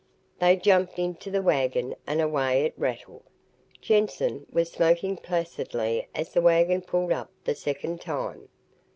They jumped into the wagon and away it rattled. Jensen was smoking placidly as the wagon pulled up the second time.